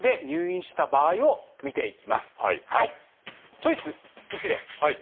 チョイス１です。